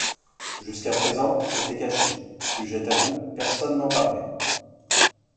Jusqu’à présent, c’était caché, sujet tabou, personne n’en parlait.